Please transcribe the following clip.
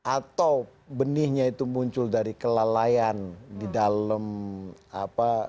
atau benihnya itu muncul dari kelalaian di dalam apa